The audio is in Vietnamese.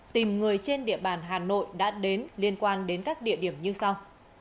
tìm người trên địa bàn hà nội đã đến liên quan đến các địa điểm như sau